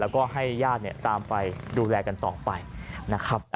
แล้วก็ให้ญาติเนี่ยตามไปดูแลกันต่อไปนะครับ